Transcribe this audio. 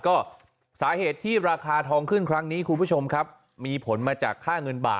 ก็สาเหตุที่ราคาทองขึ้นครั้งนี้คุณผู้ชมครับมีผลมาจากค่าเงินบาท